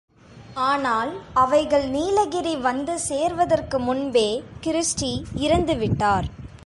ஆனால் அவைகள் நீலகிரி வந்து சேர்வதற்கு முன்பே கிருஸ்டீ இறந்து விட்டார்.